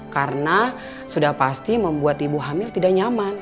karena sudah pasti membuat ibu hamil tidak nyaman